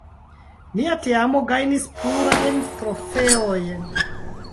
Mia teamo gajnis plurajn trofeojn.